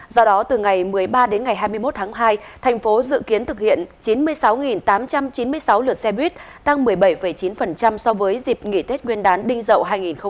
do đó từ ngày một mươi ba đến ngày hai mươi một tháng hai thành phố dự kiến thực hiện chín mươi sáu tám trăm chín mươi sáu lượt xe buýt tăng một mươi bảy chín so với dịp nghỉ tết nguyên đán đinh dậu hai nghìn hai mươi